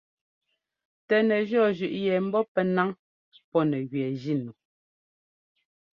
Tɛ nɛjʉɔ́ zʉꞌ yɛ mbɔ pɛ́ ńnaŋ pɔ́ nɛ gẅɛɛ jínu.